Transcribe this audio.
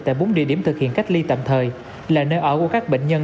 tại bốn địa điểm thực hiện cách ly tạm thời là nơi ở của các bệnh nhân